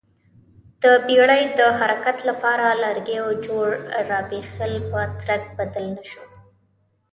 د بېړۍ د حرکت لپاره لرګیو جوړ راشبېل په څرخ بدل نه شو